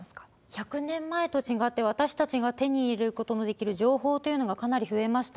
１００年前と違って、私たちが手に入れることのできる情報というのがかなり増えました。